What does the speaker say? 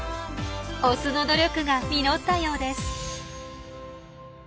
オスの努力が実ったようです。